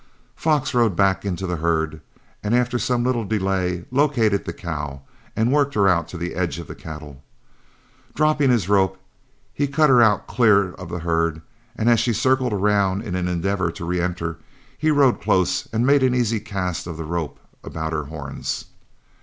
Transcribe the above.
Fox rode back in to the herd, and after some little delay, located the cow and worked her out to the edge of the cattle. Dropping his rope, he cut her out clear of the herd, and as she circled around in an endeavor to reenter, he rode close and made an easy cast of the rope about her horns.